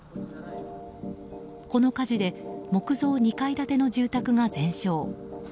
この火事で木造２階建ての住宅が全焼。